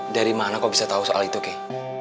dari mana kok bisa tau soal itu kei